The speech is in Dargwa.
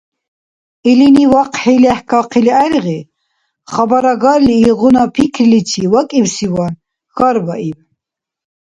Илини, вахъхӀи лехӀкахъили гӀергъи, хабарагарли илгъуна пикриличи вакӀибсиван, хьарбаиб